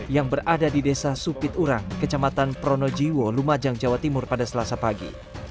yang berada di desa supiturang kecamatan pronojiwo lumajang jawa timur pada selasa pagi